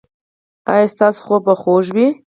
ایا ستاسو خوب به خوږ وي؟